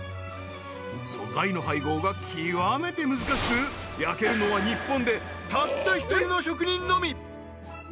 ［素材の配合が極めて難しく焼けるのは日本でたった一人の職人のみ］